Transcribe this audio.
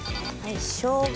しょうが。